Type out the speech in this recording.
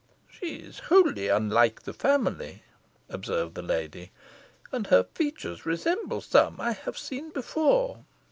"She is wholly unlike the family," observed the lady, "and her features resemble some I have seen before."